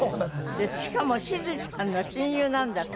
でしかもしずちゃんの親友なんだって？